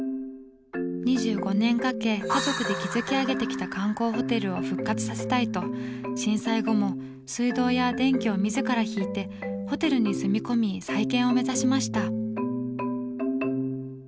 ２５年かけ家族で築き上げてきた観光ホテルを復活させたいと震災後も水道や電気を自ら引いてホテルに住み込み再建を目指しました。